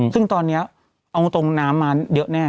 ซึ่งตอนนี้เอาตรงน้ำมาเยอะแน่